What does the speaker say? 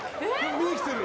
見に来てる！